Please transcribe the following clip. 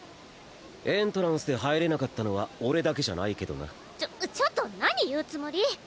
エントランスで入れなかったのは俺だけじゃないけどなちょっちょっと何言うつもり？